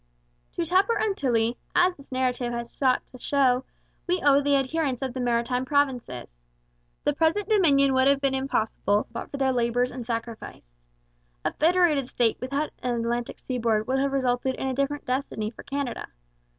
To Tupper and to Tilley, as this narrative has sought to show, we owe the adherence of the Maritime Provinces. The present Dominion would have been impossible but for their labours and sacrifice. A federated state without an Atlantic seaboard would have resulted in a different destiny for Canada.